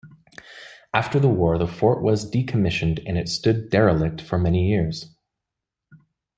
After the war, the fort was decommissioned and it stood derelict for many years.